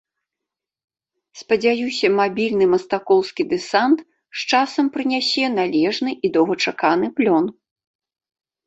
Спадзяюся, мабільны мастакоўскі дэсант з часам прынясе належны і доўгачаканы плён.